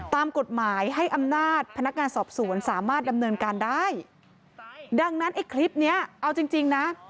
ตามกฎหมายให้อำนาจพนักงานสอบสวนสามารถดำเนินการได้ดังนั้นไอ้คลิปเนี้ยเอาจริงจริงนะ